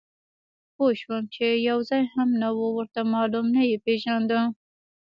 پوه شوم چې یو ځای هم نه و ورته معلوم، نه یې پېژانده.